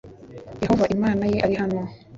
Yehova Imana ye ari hano